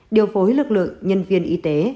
điều phối lực lượng nhân viên y tế